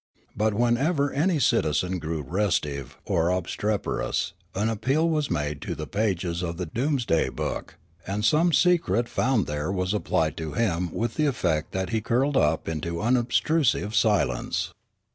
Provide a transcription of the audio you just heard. But, when ever any citizen grew restive or obstreperous, an appeal was made to the pages of the doomsday book, and 94 Riallaro some secret found there was applied to him with the effect that he curled up into unobtrusive silence.